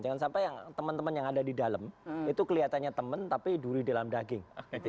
jangan sampai yang teman teman yang ada di dalam itu kelihatannya temen tapi duri dalam daging